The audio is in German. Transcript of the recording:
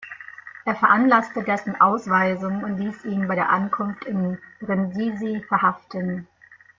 Er veranlasste dessen Ausweisung und ließ ihn bei der Ankunft in Brindisi verhaften.